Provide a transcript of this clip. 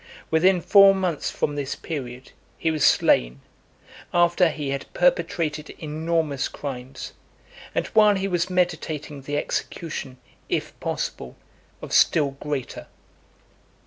Within four months from this period he was slain, after he had perpetrated enormous crimes, and while he was meditating the execution, if possible, of still greater.